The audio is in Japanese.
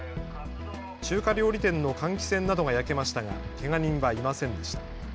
中華料理店の換気扇などが焼けましたがけが人はいませんでした。